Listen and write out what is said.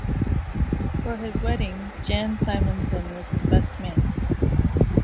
For his wedding, Jan Simonsen was his best man.